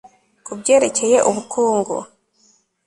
ku byerekeye ubukungu